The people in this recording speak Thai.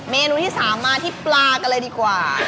เมนูที่๓มาที่ปลากันเลยดีกว่า